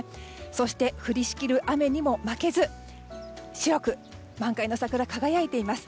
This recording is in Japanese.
そして、降りしきる雨にも負けず白く満開の桜が輝いています。